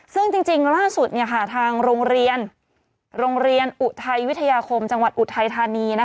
ซึ่งจริงล่าสุดทางโรงเรียนโรงเรียนอุทัยวิทยาคมจังหวัดอุทัยธานี